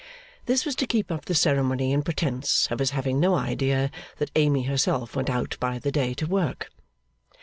This was to keep up the ceremony and pretence of his having no idea that Amy herself went out by the day to work.